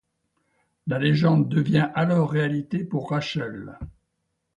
La légende devient alors réalité pour Rachel.